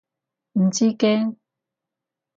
唔知驚？